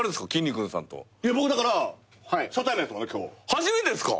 初めてっすか！？